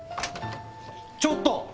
ちょっと！